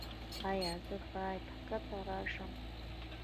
ایا زه باید ښکته راشم؟